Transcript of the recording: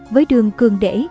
với đường cường để